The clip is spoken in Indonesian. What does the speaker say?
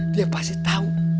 dia pasti tau